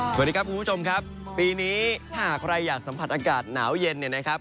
สวัสดีครับคุณผู้ชมครับปีนี้ถ้าหากใครอยากสัมผัสอากาศหนาวเย็นเนี่ยนะครับ